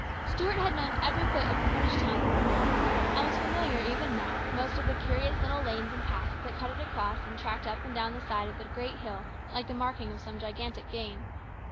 TUART had known every foot of Cornish town as a boy, and was familiar even now with most of the curious little lanes and paths that cut it across and tracked up and down the side of the great hill like the marking of some gigantic game.